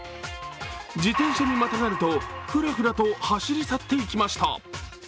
自転車にまたがるとふらふらと走り去っていきました。